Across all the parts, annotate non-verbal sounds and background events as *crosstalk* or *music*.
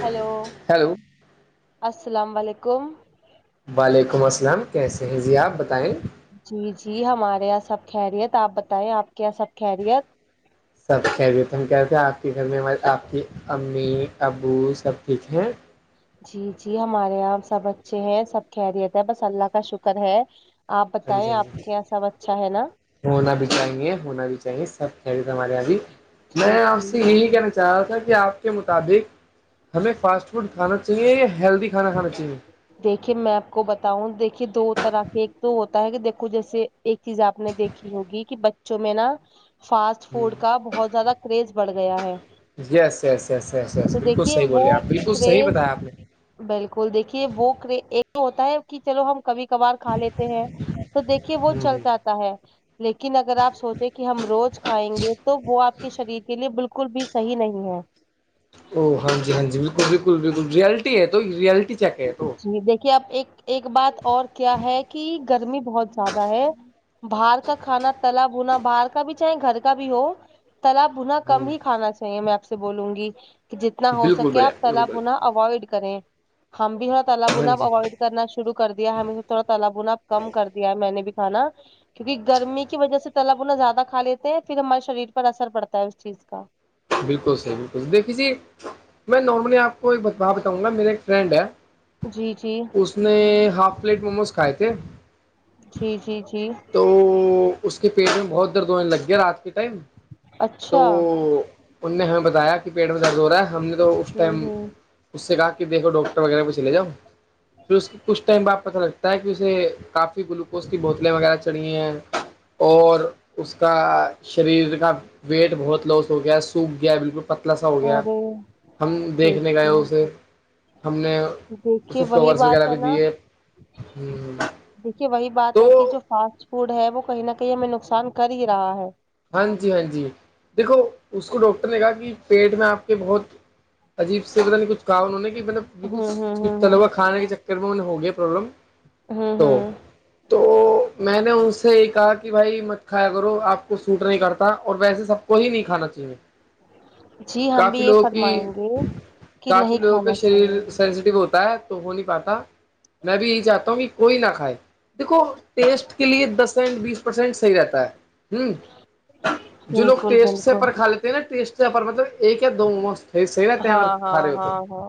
hello hello السلام علیکم وعلیکم السلام کیسے ہیں جی آپ بتائیں جی جی ہمارے یہاں سب خیریت آپ بتائیں آپ کے یہاں سب خیریت سب خریت ہم کہتے ہیں آپ کے گھر میں آپ کی امی ابو سب ھ ہیں *unintelligible* جی جی ہمارے یہاں سب اچھے ہیں سب کہہرییت ہیں بس اللہ کا شکر ہے آپ ہاں بتائیں جی ہاں آپ جی کے یہاں سب اچھا ہے نا ہونا بھی چاہیے ہونا بھی چاہیے سب خری تارے یہبھی جی میں آپ جی سے یہی کہنا چاہ چاہ رہا تھا کہ آپ کے مطابق ہمیں فاسٹ فوڈ کھانا چاہیے یا ہیلدی کھانا کھانا چاہیے دیکھیے میں آپ کو بتاؤں دیکھیے دو طرح کے ایک تو ہوتا ہے کہ دیکھو جیسے ایک چیز آپ نے دیکھی ہوگی کہ بچوں میں نا فاسٹ فوڈ کا بہت زیادہ کریز بڑھ گیا ہے *unintelligible* یس یس یس یس یس تو بالکل دیکھیے صحیح وہ بولے آپ بالکل صحیح کریز بتایا آپ نے بالکل دیکھیے وہ ہوتا ہے کہ چلو ہم کبھی کبار کھا لیتے ہیں تو دیکھیے وہ ہ ہ چلتااتتا ہے لیکن اگر آپ سوچیں کہ ہم روز کھائیں گے تو وہ آپ کے شریر کے لیے بالکل بھی صحیح نہیں ہے ا ہاں ج ہاں ج بالکل بالکل بالکل ریلٹی ہے تو رلٹی جی دیکھیے اب ایک ایک بات اور کیا ہے کہ گرمی بہت زیادہ ہے باہر کا کھانا تالب ہونا باہر کا بھی چاہے گھر کا بھی ہو تالب بنا ہ کم ہی کھانا چاہیے میں آپ سے بولوں گی کہ جتنا ہو بالکل سکے بڑھیا آپ بالکل تلا بڑھیا بنا اوائڈ کریں ہم بھی تھا تعالی ہاں بناب جی اوائڈ کرنا شروع کر دیا ہے ہم تھوڑا تال بنا کم کر دیا ہے میں نے بھی کھانا کیوںکہ گرمی کی وجہ سے تال ب انا زیادہ کھا لیتے ہیں پھر ہمارے شریر پر اثر پڑتا ہے اس چیز کا بالکل صی بالکل دھھییے میں نارملی آپ کو ایک بتاؤں گا میرے ایک فرینڈ ہے جی جی اس نے ہاف پلیٹ موموز کھائے تھے جی جی جی تو اس کے پیٹ میں بہت درد ہونے لگ گیا رات کے ٹائم تو اچھا ان نے ہمیں بتایا کہ پیٹ میں درد ہو رہا ہے ہم نے تو اس ہوں ٹائم ہوں اس سے کہا کہ دیکھو ڈاکٹر وغیرہ پہ چلے جؤ پھر اسس کچھ ٹائم ب آپ پتہ لگ تا ہے کہ اسے کافی گلوکوز کی بوتلیں وغیرہ چڑیے ہیں اور اس کا شریر کا ویٹ بہت لاس ہو گیا ہے سوکھ گیا بالکل پتلا سا ہو گیا ارے ہم دیکھنے گئے دیکھیے اسے ہم نے دیکھیے اسے وہی فلورس بات وغیرہ ہے بھی نا دیے ہ دیکھیے وہی بات ہے کہ جو فاسٹ فوڈ ہے وہ کہیں نہ کہیں ہمیں نقصان کر ہی رہا ہے ہاں جی ہاں جی دیکھو اس کو ڈاکٹر نے کہا کہ پیٹ میں آپ کے بہت عجیب سے پتا نہیں کچھ کہا انہوں نے کہ مطب بالکل ہوں ہوں کچھ ہوں ہوں تلوا کھانے کے چر پھر میں انیں ہو گیا پرابلم ہاں تو تو میں نے ان سے یہ کہا کہ بھائی مت کھایا کرو آپ سوٹ نہیں کرتا اور ویسے سب کو ہی نہیں کھانا چاہیے جی ہم بھی کافی یہ لوگوں کی فرمائیں گے کہ کافی نہیں لوگوں کے کھانا شریر چاہیے سے سینسٹیو ہوتا ہے تو ہو نہیں پاتا میں بھی یہی چاہتا ہوں کہ کوئی نہ کھائے دیکھو ٹیسٹ کے لیے دس سینٹ بیس پرسینٹ صحیح رہتا ہے ہ جو لوگ بالکل ٹیسٹ بالکل سےپر کھا لیتے ہیں نا ٹیسٹ سےپر مطلب ایک ہے دو مسٹ سییر ت ہاں آگر ہاں کا رہے ہو تو ہاں ہاں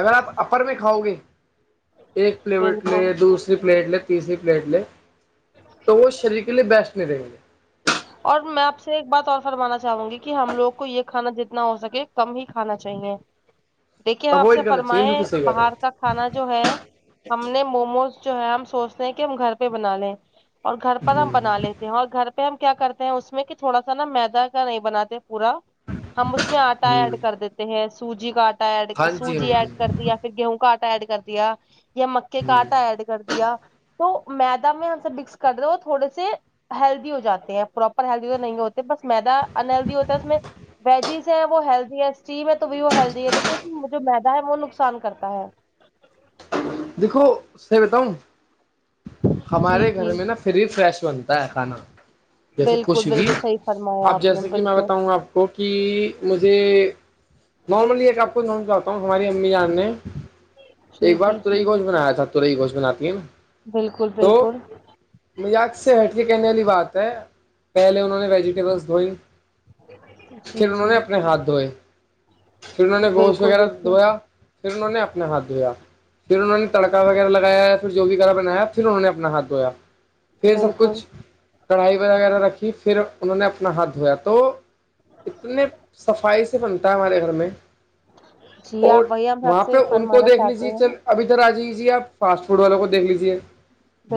اگر آپ اپر میں کھاؤ گے ایک پلیٹ بالکل لےیا دوسری پلیٹ لے تیسری پلیٹ لے تو وہ شریر کے لیے بیسٹ نہیں رہیں گے اور میں آپ سے ایک بات اور فرمانا چاہوں گی کہ ہم لوگ کو یہ کھانا جتنا ہو سکے کم ہی کھانا چاہیے دیکھیے آپ سے اوائڈ کرنا چاہیے فرمائے بالکل صحیح کہہ رہا باہر کا کھانا جو ہے ہم نے موموز جو ہے ہم سوچتے ہیں کہ ہم گھر پہ بنا لیں اور گھر پر ہم ہوں بنا لیتے ہیں اور گھر پہ ہم کیا کرتے ہیں اس میں کہ تھوڑا سا نا میدا کا نہیں بناتے پورا ہم اس میں ہ آٹا ہ ایڈ کر دیتے ہیں سوجی کا آٹا ایڈ ہاں جی سوجی ہاں ایڈ کر جی دیا گیہوں کاٹا ایڈ کر دیا یا مکے ہ کااٹا ایڈ کر دیا تو ما میں ہم سب مکس کر رہے ہو تھوڑے سے ہیلدی ہو جاتے ہیں پراپر ہیلدی تو نہیں ہوتے بس میدا انہلدی ہوتا ہے اس میں ویجیز ہے وہ ہیلدی ہے اسٹیم ہے تو بھی وہ ہیلدی ہے لیکن جو مدا ہے وہ نقصان کرتا ہے دیکھو س بتا ہؤوں جی ہمارے جی گھر میں نا فری فریش بنتا ہے کھانا جیسے بالکل کچھ بھی بالکل صحیح فرمایا اب آپ نے جیسے کہ میں بالکل بتاؤںا آپ کو کہ مجھے نارملی ایک آپ کو گوم چاہتا ہوں ہماری امی جان نے جی ایک بار جی تورئی جی گوش بنایا تھا تورئی گوش بناتتی ہے نا بالکل بالکل مجق سے ہٹ کے کہنے والی بات ہے پہلے انہوں نے ویجیٹیبلس دھوئی پھر جی انہوں جی نے اپنے ہاتھ دھوئے پھر انہوں نے گوشت بالکل وغیرہ دیکھیے دھویا پھر انہوں نے اپنے ہاتھ دھویا پھر انہوں نے تڑکا وغیرہ لگایا ہے پھر جو بھی کرا بنایا پھر انہوں نے اپنا ہاتھ دھویا پھر سب بالکل کچھ کڑھائی وغیرہ رکھی پھر انہوں نے اپنا ہاتھ دھویا تو اتنے صفائی سے بنتا ہے ہمارے گھر میں جی اور آپ وہی ہم سب وہاں پہ سے ان کو فرمانا دیکھ چاہتے لیجیے ہیں نا چل ابھیدھر آ جائییے آپ فاسٹ فوڈ والے کو دیکھ لیجیے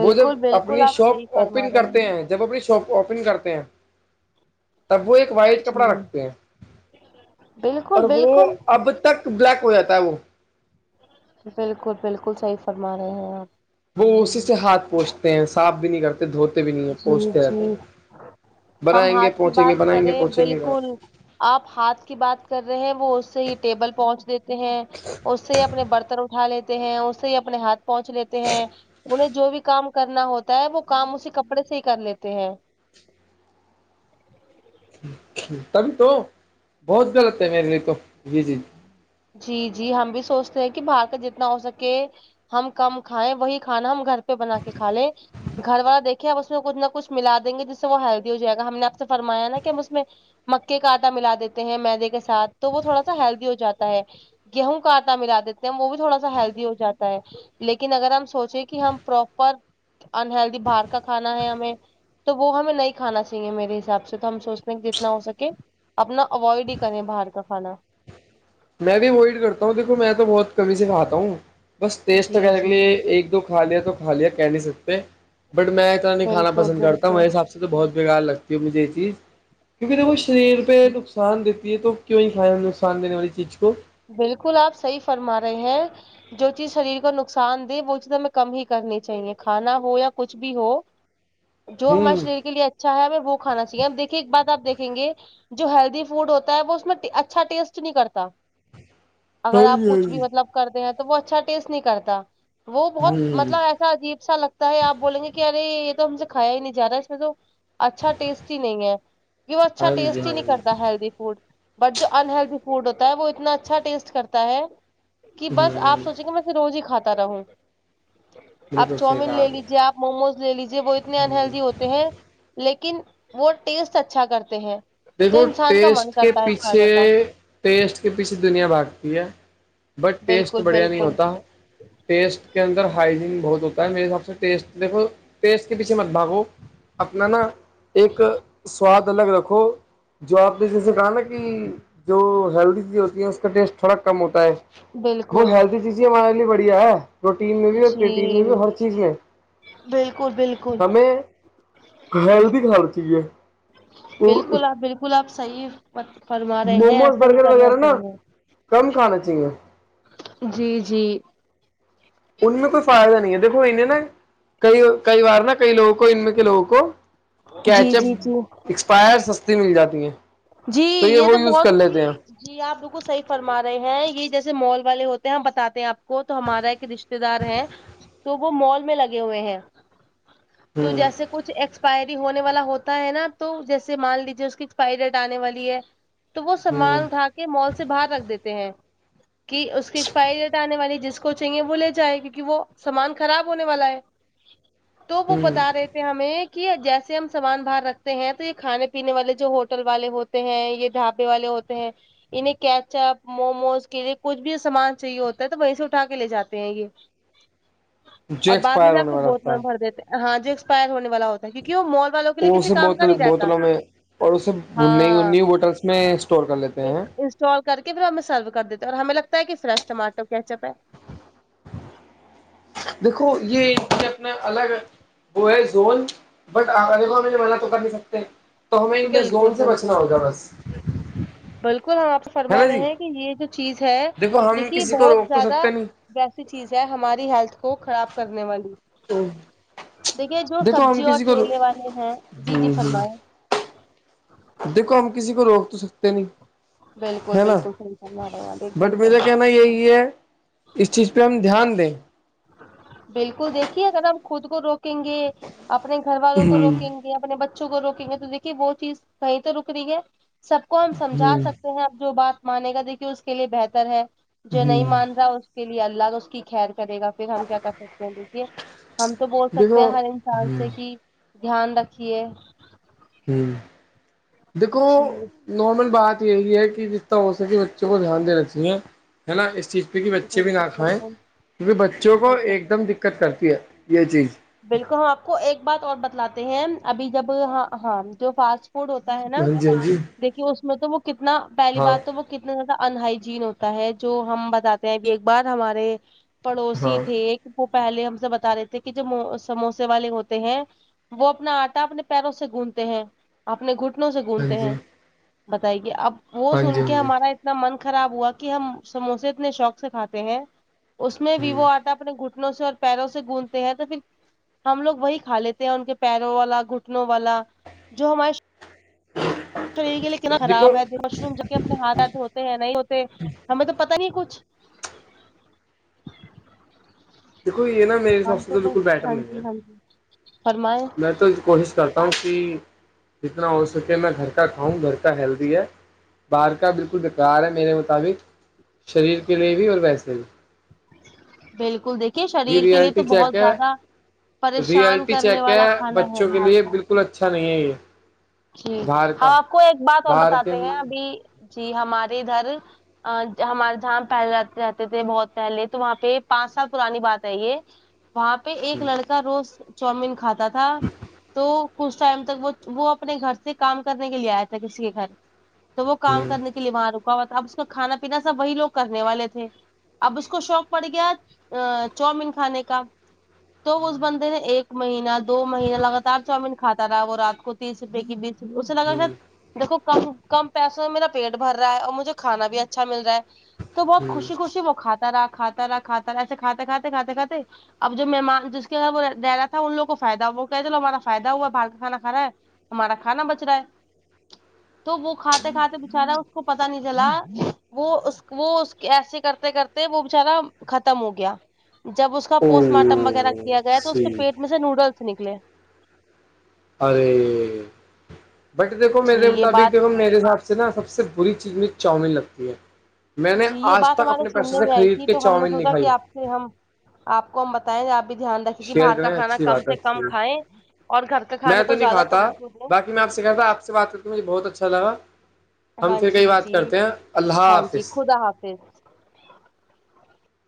وہ جب بالکل اپنی آپ صحیح شاپ فرما اوپن رہے کرتے ہیں جب اپنی شاپ اوپن کرتے ہیں تب وہ ایک وائٹ کپڑا جی رکھتے ہیں بالکل اور وہ بالکل اب تک بلیک ہو جاتا ہے وہ بالکل بالکل صحیح فرما رہے ہیں آپ وہ اسی سے ہاتھ پوچتے ہیں صاف بھی نہیں کرتے دھوتے بھی نہیں ہیں جی پوچتے رہتے جی ہیں ہم بنائیں گے ہاتھ کی پہنچیں گے بات بنائیں گے کریں پہنچیں گے گ بالکل آپ ہاتھ کی بات کر رہے ہیں وہ اس سے ہی ٹیبل پہنچ دیتے ہیں اس سے ہی اپنے برتن اٹھا لیتے ہیں اس سے اپنے ہاتھ پہنچ لیتے ہیں انہیں جو بھی کام کرنا ہوتا ہے وہ کام اسی کپڑے سے ہی کر لیتے ہیں تبھی تو بہت غلط ہے میرے لیے تو جی جی جی جی ہم بھی سوچتے ہیں کہ باہر کا جتنا ہو سکے ہم کم کھائیں وہی کھانا ہم گھر پہ بنا کے کھا لیں گھر والا دیکے آپ میں کچھ نہ کچھ ملا دیں گے جس سے وہ ہیلدی ہو جائے گا ہم نے آپ سے فرمیا نا کہ ہم اس میں مکے کا آٹا ملا دیتے ہیں میدے کے ساتھ تو وہ تھوڑا سا ہیلدی ہو جاتا ہے گیہوں کا آٹا ملا دیتے ہیں وہ بھی تھوڑا سا ہیلدی ہو جاتا ہے لیکن اگر ہم سوچیں کہ ہم پراپر انہلدی باہر کا کھانا ہے ہمیں تو وہ ہمیں نہیں کھانا چاہیے میرے حساب سے تو ہم سوچتے ہیں کہ جتنا ہو سکے اپنا اوائڈ ہی کریں باہر کا کھانا میں بھی اوائڈ کرتا ہوں دیکھو میں تو بہت کمی سے کھا ہوں بس ٹیسٹ جی لنے کے جی لیے ایک دو کھا لیا تو کا لیا کہہ نہیں سکتے بٹ میں اتنا نہیں کھانا بالکل پسند کرتاوں بالکل میرے حساب سے تو بہت بےگار لگتی ہو مجھے یہ چیز کیونکہیرے وہ شریر پہ نقصان دیتی یہ تو کیوں نہیں کھیا نقصان دینے والی چیز کو بالکل آپ صحیح فرما رہے ہیں جو چیز شریر کو نقصان دے وہ چیز ہمیں کم ہی کرنی چاہیے کھانا ہو یا کچھ بھی ہو جو ہمارے ہوں شریر کے لیے اچھا ہے ہمیں وہ کھانا چاہیے ہم دیکھیے ایک بات آپ دیکھیں گے جو ہیلدی فوڈ ہوتا ہے وہ اس میں اچھا ٹیسٹ نہیں کرتا اگر آپ کچھ بھی ہ مطلب کرتے ہیں تو وہ اچھا ٹیسٹ نہیں کرتا وہ ہ بہت مطلب ہاں اھا عجیب سا لگتا ہے آپ بول گے کہ یرے یہ تو ہم سے کھیا ہی نہیں جا رہا اس میں تو اچھا ٹیسٹ ہی نہیں ہے کہ وہ اچھا جی ٹیسٹ ہی ہاں نہیں جی کرتا ہیلدی فوڈ بٹ جو انہلدی فوڈ ہوتا ہے وہ اتنا اچھا ٹیسٹ کرتا ہے کہ بس ہ آپ سوچیں گے میں پھر روز ہی کھاتا رہوں آپ بالکل صحیح چاؤومین کہا لے نے لیجیے آپ موموز لے لیجیے وہ اتنے انہلدی ہوتے ہیں لیکن وہ ٹیسٹ اچھا کرتے ہیں تو دیکھو انسان کا من ٹیسٹ کے کرتا ہے پیچھے کھانے کا ٹیسٹ کے پیچھے دنیا بھاگتی ہے بٹ ٹیسٹ بالکل بڑھیا نہیں بالکل ہوتا ٹیسٹ کے اندر ہائجین بہت ہوتا ہے میرے حساب سے ٹیسٹ دیکھو پیسٹ کے پیچھے مت بھاگو اپنا نا ایک سواد الگ رکھو جو آپ نے جیسے کہا نا کہ جو ہیلدی چیزیں ہوتی ہیں اس کا ٹیسٹ تھوڑا کم ہوتا ہے وہ بالکل ہیلدی چیزیں ہمارے لیے بڑھیا ہے پروٹین میں بھی اور پوٹین میں جی بھی ہر چیز میں بالکل بالکل ہمیں پل کی خال چ ہے بالکل آپ بالکل آپ صیح فرما رہے ہیں موموز ایسا ہی برگر کرنا وغیرہ نا چاہیے کم کھانا چاہیے جی جی ان میں کوئی فائدہ نہیں ہے دیکھو انیں نا کئی کئی بار نا کئی لوگوں کو ان میں ک لوگوں کو کیچ جی اپ جی جی ایکسپائر سستی مل جاتی ہیں تو یہ وہ یوز کر لیتے ہیں جی آپ بالکل صحی فرما رہے ہیں یہ جیسے مال والے ہوتے ہیں ہم بتاتے ہیں آپ وہ تو ہمارا ایک رشتے دار ہے تو وہ مال میں لگے ہوئے ہیں تو ہوں جیسے کچھ ایک ایکسپائری ہونے والا ہوتا ہے نا تو جیسے مان لیجیے اس کی ایکسپائری ڈیٹ آنے والی ہے تو وہ ہوں سامان اٹھا کے مال سے باہر رکھ دیتے ہیں کہ اس کی ایکسپائری ڈیٹ آنے والی جس کو کو چاہے وہ لے جائے کیونکہ وہ سامان خراب ہونے والا ہے تو وہ ہوں بتا رہے تھ ہمیں کہ جیسے ہم سامان باہر رکھتے ہیں تو یہ کھانے پینے والے جو ہو ہوٹل والے ہوتے ہیں یہ ڈھابے والے ہوتے ہیں انہیں کیچ اپ موموز کے لیے کچھ بھی سامان چاہیے ہوتا ہے تو وہیں سے اٹھا کے لے جاتے ہیں یہ جو اور بعد میں ایکسپائر جا ہونے کے والا بہت ہوتا م ہے بھر دیتے ہاں جو ایکسپائر ہونے والا ہوتا کیونکہ وہ مال والوں کے لیے وہ کسی اسے کام کا بوتل نہیں رہتا بوتلوں میں اور اسے ن ہاں نیو ہووٹلس میں اسٹور کر لیتے ہیں چول کر کے پھر ہمیں سرو کر دیتے ہیں اور ہمیں لگتا ہے کہ فریش ٹماٹر کیچپ ہے دیکھو یہ ان یہ اپنا الگ وہ ہے زون بٹ مے منع تو کر نہیں سکتے تو ہمیں ان کے بالکل زون سے بالکل بچنا ہوگا بس بالکل ہم آپ ہے فرما نا رہے جی ہیں کہ یہ جو چیز ہے دیکھو ہم دیکھی کسی کو بہت روک تو زیادہ سکتے نہیں ویسی چیز ہے ہماری ہیلتھ کو خراب کرنے والی ہوں دیکھیے جو سبزی اور ٹھیلے والے ہیں جی جی فرمایں دیکھو ہم کسی کو روک تو سکتے نہیں بالکل بالکل س س رہے گ بھی ایک دم صح میں یہی ہے اس چیز پہ ہم دھیان دیں بالکل دیکھیے اگر ہم خود کو روکیں گے اپنے گھر والوں کو ہوں روکیں گے اپنے بچوں کو روکیں گے تو دیکھیے وہ چیز کہیں تو رک رہی ہے سب کو ہم سمھا ہوں سکتے اب جو بات مانے گا دیکھیے اس کے لیے بہتر ہے جو نہیں ہوں مان رہا اس کے لیے اللہ اس کی خیر کرے گا پھر ہم کیا کر سکتے ہیں دیکھیے ہم تو بول سکتے دیکھو ہیں ہر انسان ہوں سے کہ دھیان رکھیے ہوں دیکھو جی نارمل بات یہی ہے کہ جس طح ہو سک بچوں کو دھیان دےینتی ہے ہے نا اس چیز پہ کہ بچے بھی نہ بالکل کھائیں بالکل کیونکہ بچوں کو بالکل ایک دم دقت کرتی ہے یہ چیز بالکل ہم آپ کو ایک بات اور بتلاتے ہیں ابھی جب ہاں جو فاسٹ ہوتا ہے نا ہاں جی ہاں جی دیکھیے اس میں تو وہ کتنا پہلی ہاں بار تو وہ کتنا زیادہ انہائجین ہوتا ہے جو ہم بتاتے ہیں اب ایک بار ہمارے ہاں پڑوسی تھے وہ پہلے ہم سے بتا رہے تھے کہ جو سموسے والے ہوتے ہیں وہ اپنا آٹا اپنے پیروں سے گونونتے ہیں اپنے گھٹنوں سے ہاں گھونتے جی ہیں بتائیے اب وہ ہاں جی سن ہاں کے جی ہمارا اتنا من خراب ہوا کہ ہم سموسے اتنے شوق سے کھاتے ہیں اس میں بھی ہ وہ آٹا اپنے گٹ اپنوں سے اور پیروں سے گونندتے ہیں تو پھر ہم لوگ وہی کھا لیتے ہیں ان کے پیروں والا گھٹنوں والا جو ہمارے شریر کے لیے کتنا دیکھو خراب ہے مشروم جب کہ اپنے ہاتھ ہاتھ ہوتے ہیں نہیں ہوتے ہمیں تو پتہ نہیں کچھ *unintelligible* دیکھو یہ نا میرے حساب ہم سے تو بالکل بس بیٹر ہاں نہیں ہے جی ہاں جی فرمائیں میں تو کوشش کرتا ہوں کہ جتنا ہو سکے میں گھر کا کھاؤں گھر کا ہیلدی ہے بار کا بالکل بکار ہے میرے مطابق شریر کے لیے بھی اور ویسے بھی بالکل دیک کہ یہ شریر کے لیے تو ریئلٹی بہت چیک ہے زیادہ پریشان ریئلٹی کرنے چیک ہے والا کھانا ہے بچوں کے باہر لیے کا بالکل اچھا نہیں ہے یہ جی باہر ہم کا آپ کو ایک بات اور باہر کے بتاتے ہیں ابھی جی ہمارے ادھر ہمارے جہاں پہلے رہتے تھے بہت پہلے تو وہاں پہ پانچ سال پرانی بات ہے یہ وہاں پہ ایک لڑکا روز چاؤمین کھاتا تھا تو کچھ ٹائم تک وہ وہ اپنے گھر سے کام کرنے کے لیے آیا تھا کسی کے گھر تو وہ کام ہ کرنے کے لیے وہاں رکا ہوا تھا اب اس کو کھانا پینا سب وہی لوگ کرنے والے تھے اب اس کو شوق پڑ گیا چاؤمین کھانے کا تو اس بندے نے ایک مہینہ دو مہین لگاتار چاؤمین کھاتا رہا وہ رات کو تیس روپے کی بیس روپئے اسے لگاید دیکھو کم کم پیسوں میں میرا پیٹ بھر رہا ہے اور مجھے کھانا بھی اچھا مل رہا ہے تو بہت خوشی خوشی وہ کاتا رہا کھا رہاھاتا رہا ایسے کھاتے کھاتےھاتے کھاتے اب جو مہمان جس کے گھر وہ رہ تھا ان لوگ کو فائدہ وہ کہ چلو ہمارا فائدہ ہوا باہ کا کانا کھ رہا ہے ہمارا کھانا بچ رہا ہے تو وہ کھاتے کھاتے بچارا اس کو پت نہیں چلا وہ وہ ایسے کرتے کرتے وہ بچارا ختم ہو گیا جب اس کا پوسٹ ہ مارٹم وغیرہ کیا گیا تو اس کے سی پیٹ میں سے نوڈلس نکلے ارے بٹ دیکھو جی میرے یہ مطابق بات دیکھو میرے ساتھ جناا سب سے بری چیز مجھے چاؤمین لگتی ہے میں نے جی یہ آج بات تک ہمارے اپنے پیسے سننے سے میں آئی خرید تھی کے تو ہم نے چاؤمین سوچا کہ نکھائی آپ ہم آپ ہم بتائیں آپ بھی دھیان رکھیں کہ شیئر باہر کا کریں کانا اچھی کم بات ہے سے اچھی کم کھیں اور گھر کے میں کھانے تو کو نہیں زیادہ کھاتا توجہ دیں باقی میں آپ سے کہتا تھا آپ سے بات کر کے ہوں مجھے بہت اچھا لگا ہم ہاں پھر کئی جی بات جی کرتے ہیں اللہ ہاں جی حافظ خدا حافظ